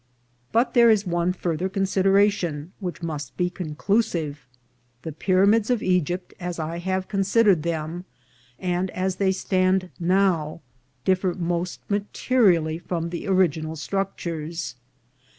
But there is one farther consideration, which must be conclusive. The pyramids of Egypt, as I have consid ered them, and as they stand now, differ most materially from the original structures.